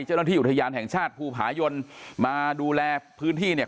เจ้าหน้าที่อุทยานแห่งชาติภูผายนมาดูแลพื้นที่เนี่ย